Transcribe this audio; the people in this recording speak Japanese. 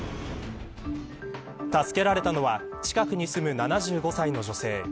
助けられたのは近くに住む７５歳の女性。